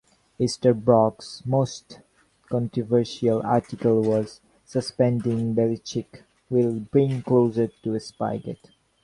Easterbrook's most controversial article was "Suspending Belichick will bring closure to Spygate".